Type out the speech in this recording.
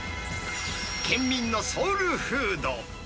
県民のソウルフード。